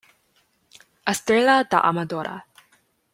Estrela da Amadora.